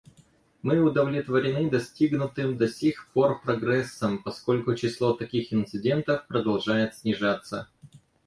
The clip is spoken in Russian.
Мы удовлетворены достигнутым до сих пор прогрессом, поскольку число таких инцидентов продолжает снижаться.